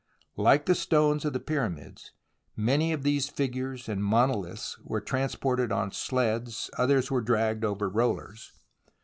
Like the stones of the Pyramids, many of these figures and monoliths were trans ported on sleds, others were dragged over rollers.